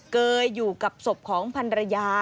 เกยอยู่กับศพของพันรยา